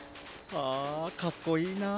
あかっこいいな。